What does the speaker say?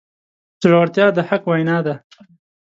زړورتیا د حق وینا ده.